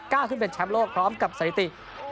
ก้าวขึ้นเป็นแชมป์โลกพร้อมกับสถิติ